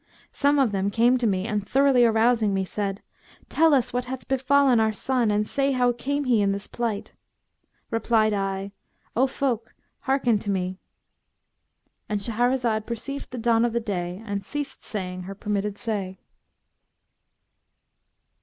Some of them came to me and thoroughly arousing me said, 'Tell us what hath befallen our son and say how came he in this plight?' Replied I, 'O folk, hearken to me!'"—And Shahrazad perceived the dawn of day and ceased saying her permitted say.